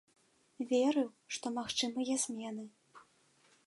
Верыў, што магчымыя змены.